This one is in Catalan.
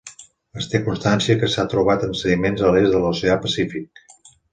Es té constància que s'ha trobat en sediments a l'est de l'Oceà Pacífic.